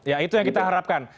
ya itu yang kita harapkan